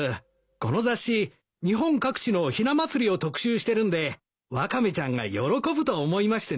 この雑誌日本各地のひな祭りを特集してるんでワカメちゃんが喜ぶと思いましてね。